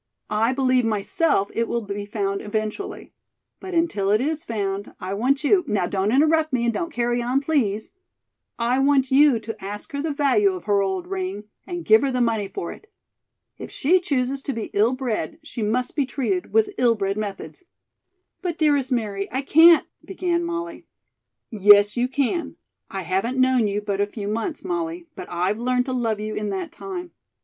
I believe myself it will be found eventually. But until it is found, I want you now don't interrupt me and don't carry on, please I want you to ask her the value of her old ring and give her the money for it. If she chooses to be ill bred, she must be treated with ill bred methods." "But, dearest Mary, I can't " began Molly. "Yes, you can. I haven't known you but a few months, Molly, but I've learned to love you in that time.